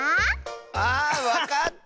あわかった！